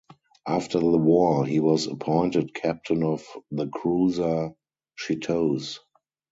After the war, he was appointed captain of the cruiser "Chitose".